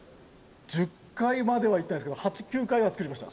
１０回まではいってないですけど８９回は作りました。